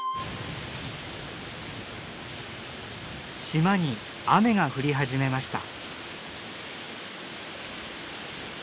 島に雨が降り始めました。